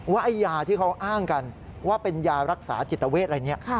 ไอ้ยาที่เขาอ้างกันว่าเป็นยารักษาจิตเวทอะไรเนี่ย